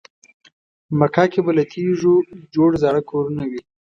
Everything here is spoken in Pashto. مکه کې به له تیږو جوړ زاړه کورونه وي.